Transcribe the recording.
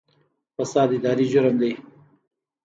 فساد اداري جرم دی